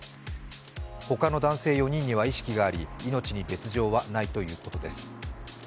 他の男性４人には意識があり命に別状はないということです。